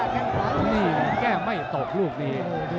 แต่ว่าแก้งไม่ตกลูกนี้